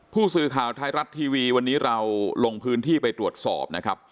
ผู้สื่อข่าวไทยรัฐทีวีวันนี้เราลงพื้นที่ไปตรวจสอบนะครับ